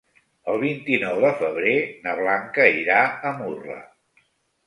El vint-i-nou de febrer na Blanca irà a Murla.